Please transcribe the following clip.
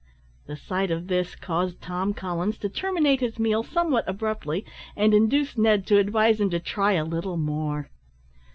The sight of this caused Tom Collins to terminate his meal somewhat abruptly, and induced Ned to advise him to try a little more.